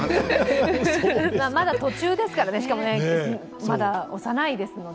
まだ途中ですからね、まだ幼いですので。